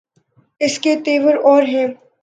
اس کے تیور اور ہیں۔